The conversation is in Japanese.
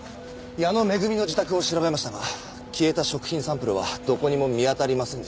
矢野恵の自宅を調べましたが消えた食品サンプルはどこにも見当たりませんでした。